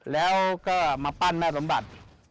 แล้วก็มาปั้นแม่สมบัติ